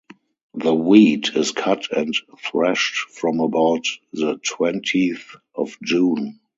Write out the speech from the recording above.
The wheat is cut and threshed from about the twentieth of June.